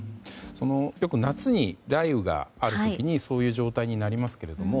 よく夏に雷雨がある時にそういう状態になりますけれども。